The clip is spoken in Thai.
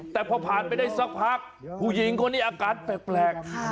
แต่พอผ่านไปได้สักพักผู้หญิงคนนี้อาการแปลก